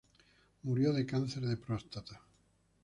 Murió de cáncer de próstata.